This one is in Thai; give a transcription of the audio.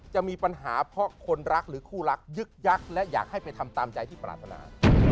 จะมีปัญหาเพราะคนรักหรือคู่รักยึกยักษ์และอยากให้ไปทำตามใจที่ปรารถนา